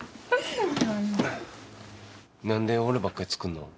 何で俺ばっかり作るの？